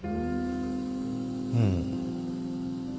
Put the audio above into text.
うん。